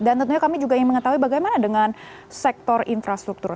dan tentunya kami juga ingin mengetahui bagaimana dengan sektor infrastruktur